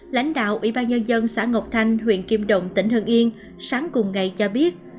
lãnh đạo ủy ban nhân dân xã ngọc thanh huyện kim động tỉnh hương yên sáng cùng ngày cho biết